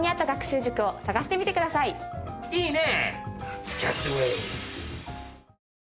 いいね！